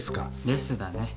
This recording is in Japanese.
レスだね。